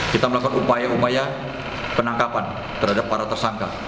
kita melakukan upaya upaya penangkapan terhadap para tersangka